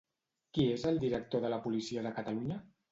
Qui és el director de la policia de Catalunya?